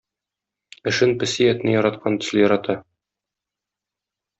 Эшен песи этне яраткан төсле ярата.